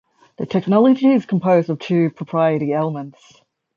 The technology is composed of two proprietary elements.